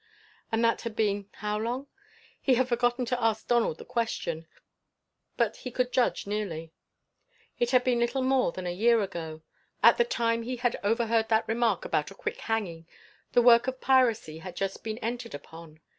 And that had been how long? He had forgotten to ask Donald the question, but he could judge nearly. It had been little more than a year ago. At the time he had overheard that remark about a quick hanging the work of piracy had just been entered upon.